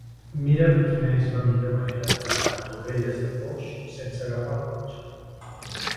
Mira'm quina és la millor manera d'anar a Torrelles de Foix sense agafar el cotxe.